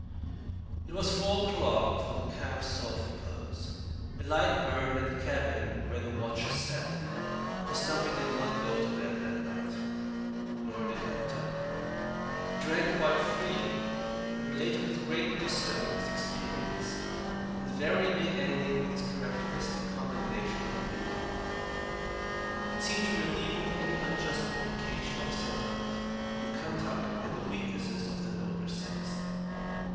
It was four o'clock before the camp sought repose. A light burnt in the cabin where the watchers sat, for Stumpy did not go to bed that night. Nor did Kentuck. He drank quite freely, and related with great gusto his experience, invariably ending with his characteristic condemnation of the newcomer. It seemed to relieve him of any unjust implication of sentiment, and Kentuck had the weaknesses of the nobler sex.